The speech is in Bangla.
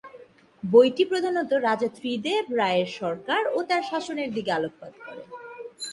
বইটি প্রধানত রাজা ত্রিদিব রায়ের সরকার ও তাঁর শাসনের দিকে আলোকপাত করে।